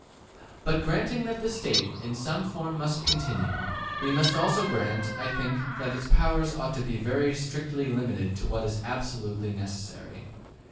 But granting that the State, in some form, must continue, we must also grant, I think, that its powers ought to be very strictly limited to what is absolutely necessary.